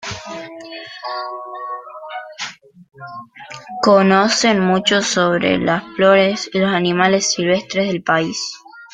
Conocen mucho sobre las flores y los animales silvestres del país.